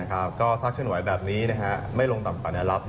ก็ถ้าเคลื่อนไหวแบบนี้ไม่ลงต่ำกว่าแนวรับ